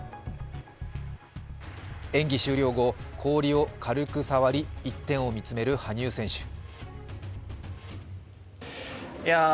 演技終了後、氷を軽く触り一点を見つめる羽生選手。